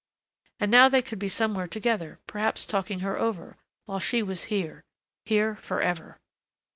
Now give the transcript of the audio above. And now they could be somewhere together, perhaps talking her over, while she was here ... here forever....